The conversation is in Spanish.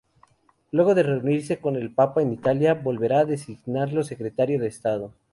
Luego de reunirse con el papa en Italia, volverá a designarlo secretario de Estado.